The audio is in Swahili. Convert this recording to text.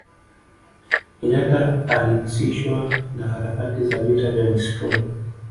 kenyata alihusishwa na harakati za vita vya msituni